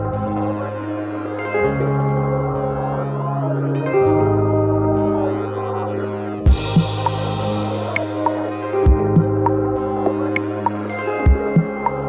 ถ้าเรามีผ้าที่แน่นมันก็จะไม่มีคอนโทรภาพ